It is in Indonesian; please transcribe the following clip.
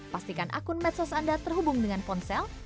pastikan akun medsos anda terhubung dengan ponsel